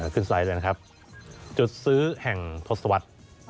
ไซส์เลยนะครับจุดซื้อแห่งทศวรรษ